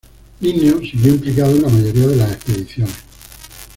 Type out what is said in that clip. Linneo siguió implicado en la mayoría de las expediciones.